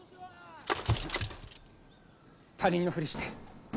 他人のふりして逃げろ。